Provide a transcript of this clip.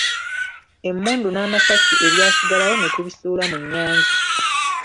Emmundu n'amasasi ebyasigalawo ne tubisuula mu nnyanja.